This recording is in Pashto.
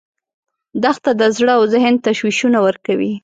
دښته د زړه او ذهن تشویشونه ورکوي.